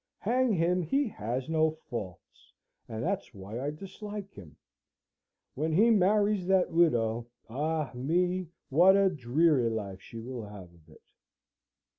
Hang him! He has no faults, and that's why I dislike him. When he marries that widow ah me! what a dreary life she will have of it."